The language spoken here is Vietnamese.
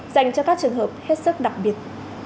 dành cho các trường hợp hết sức đặc biệt